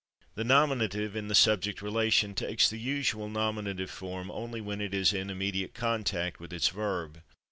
" The nominative, in the subject relation, takes the usual nominative form only when it is in immediate contact with its verb.